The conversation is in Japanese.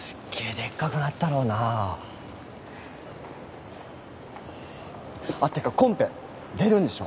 でっかくなったろうなあってかコンペ出るんでしょ？